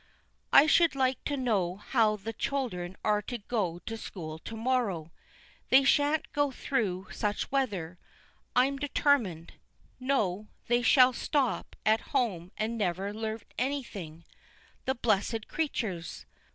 "I should like to know how the children are to go to school to morrow? They shan't go through such weather, I'm determined. No: they shall stop at home and never learn anything the blessed creatures!